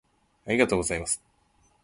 「ありがとうございます」